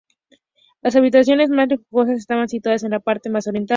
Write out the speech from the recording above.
Las habitaciones más lujosas estaban situadas en la parte más oriental.